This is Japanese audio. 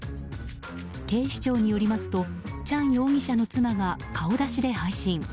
警視庁によりますとチャン容疑者の妻が顔出しで配信。